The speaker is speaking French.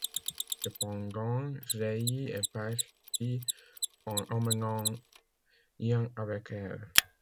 Cependant, Geillis est partie en emmenant Ian avec elle.